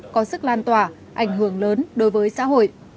có sức lan tỏa ảnh hưởng lớn đối với xã hội